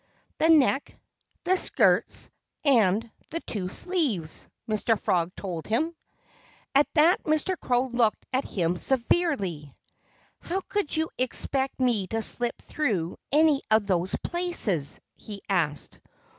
"The neck, the skirts, and the two sleeves!" Mr. Frog told him. At that Mr. Crow looked at him severely. "How could you expect me to slip through any of those places?" he asked.